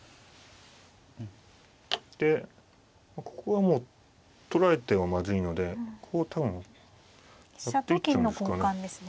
でここはもう取られてはまずいのでここを多分やっていっちゃうんですかね。